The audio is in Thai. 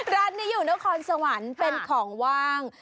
ร้านนี้อยู่นครสวรรค์เป็นของว่าง